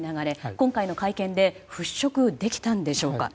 今回の会見で払拭できたんでしょうか？